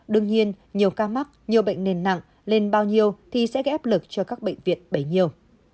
đương nhiên nhiều ca mắc nhiều bệnh nền nặng lên bao nhiêu thì sẽ gây áp lực cho các bệnh viện bấy nhiêu